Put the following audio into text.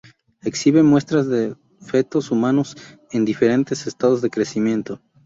Exhibe muestras de fetos humanos en diferentes estados de crecimiento.